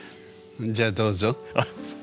じゃあどうぞ。